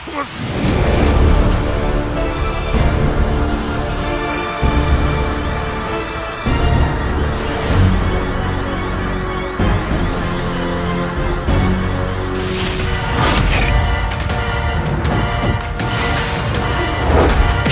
pasti saja aku bisa melakukannya dengan baik